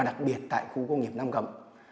đặc biệt tại khu công nghiệp nam cấm